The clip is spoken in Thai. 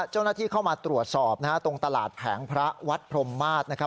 เจ้าหน้าที่เข้ามาตรวจสอบนะฮะตรงตลาดแผงพระวัดพรมมาศนะครับ